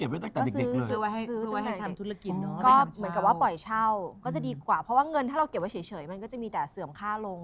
เพราะว่าเงินถ้าเราเก็บไว้เฉยมันมันก็จะมีแต่เสื่อมค่าลง